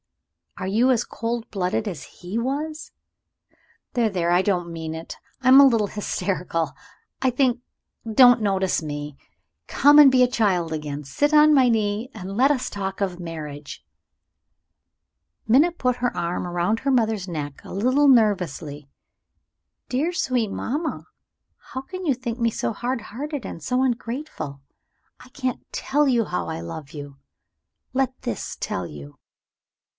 Are you as cold blooded as he was? There! there! I don't mean it; I am a little hysterical, I think don't notice me. Come and be a child again. Sit on my knee, and let us talk of your marriage." Minna put her arm round her mother's neck a little nervously. "Dear, sweet mamma, how can you think me so hard hearted and so ungrateful? I can't tell you how I love you! Let this tell you."